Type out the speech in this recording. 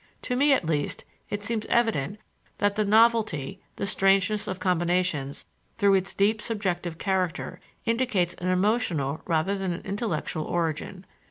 To me at least, it seems evident that the novelty, the strangeness of combinations, through its deep subjective character, indicates an emotional rather than an intellectual origin.